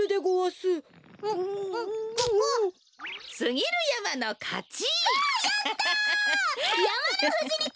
すぎるやまのかち！